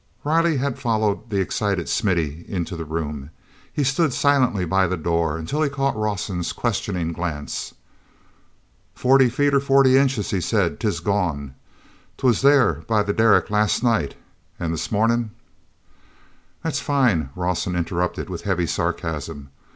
Riley had followed the excited Smithy into the room; he stood silently by the door until he caught Rawson's questioning glance. "Forty feet or forty inches," he said, "'tis gone! 'Twas there by the derrick last night, and this marnin'—" "That's fine," Rawson interrupted with heavy sarcasm.